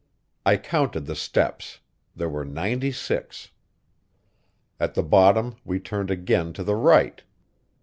I counted the steps; there were ninety six. At the bottom we turned again to the right.